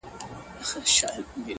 شمکور نه يمه ستا د خال رڼا راته رارسي